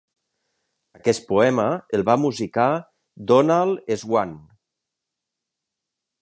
Aquest poema el va musicar Donald Swann.